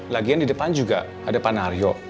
lagian di depan juga ada pak naryo